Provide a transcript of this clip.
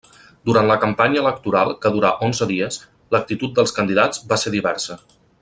Durant la campanya electoral, que durà onze dies, l'actitud dels candidats va ser diversa.